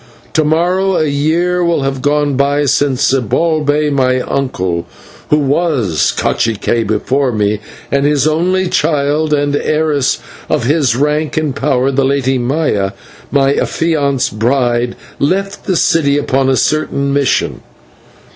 To morrow a year will have gone by since Zibalbay, my uncle, who was /cacique/ before me, and his only child and heiress of his rank and power, the Lady Maya, my affianced bride, left the city upon a certain mission.